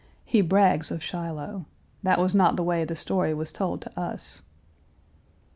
He brags of Shiloh; that was not the way the story was told to us.